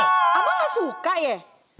abang gak suka ya